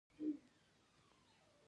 د سوداګرۍ اخلاق مهم دي